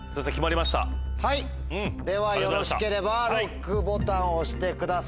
ではよろしければＬＯＣＫボタンを押してください。